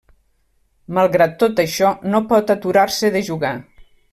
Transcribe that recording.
Malgrat tot això, no pot aturar-se de jugar.